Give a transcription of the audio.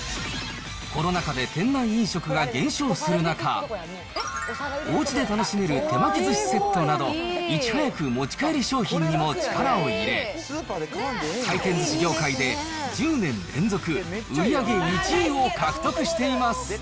コロナ禍で店内飲食が減少する中、おうちで楽しめる手巻き寿司セットなど、いち早く持ち帰り商品にも力を入れ、回転ずし業界で１０年連続売り上げ１位を獲得しています。